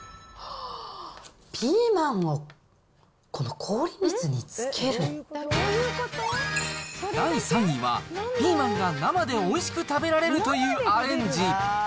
あー、ピーマンをこの、第３位は、ピーマンが生でおいしく食べられるというアレンジ。